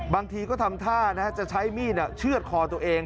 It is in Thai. บางทีก็ทำท่าจะใช้มีดเชื่อดคอตัวเอง